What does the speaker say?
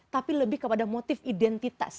tapi lebih kepada motif identitas